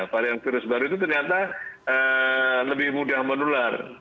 varian virus baru itu ternyata lebih mudah menular